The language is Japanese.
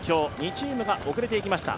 ２チームが遅れていきました。